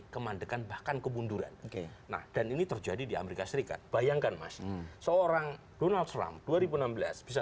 keunduran nah dan ini terjadi di amerika serikat bayangkan masih seorang donald trump dua ribu enam belas bisa